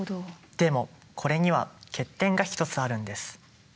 でもこれには欠点が１つあるんです。